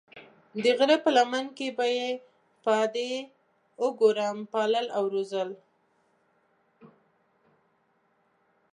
د غره په لمن کې به یې پادې او ګورم پالل او روزل.